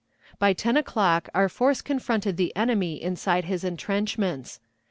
By ten o'clock our force confronted the enemy inside his intrenchments.